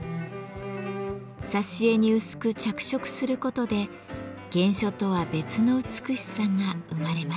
挿し絵に薄く着色することで原書とは別の美しさが生まれました。